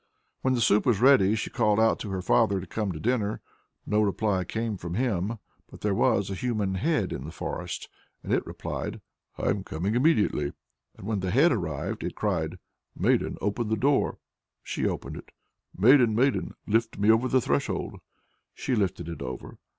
When the soup was ready, she called out to her father to come to dinner. No reply came from him, "but there was a human head in the forest, and it replied, 'I'm coming immediately!' And when the Head arrived, it cried, 'Maiden, open the door!' She opened it. 'Maiden, Maiden! lift me over the threshold!' She lifted it over.